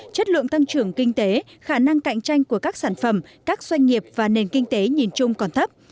chất lượng tăng trưởng kinh tế khả năng cạnh tranh của các sản phẩm các doanh nghiệp và nền kinh tế nhìn chung còn thấp